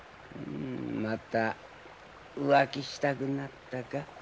また浮気したくなったか？